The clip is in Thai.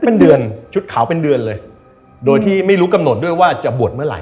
เป็นเดือนชุดขาวเป็นเดือนเลยโดยที่ไม่รู้กำหนดด้วยว่าจะบวชเมื่อไห